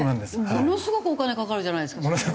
ものすごくお金かかるじゃないですかそれ。